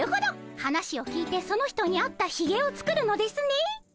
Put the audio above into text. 話を聞いてその人に合ったひげを作るのですね。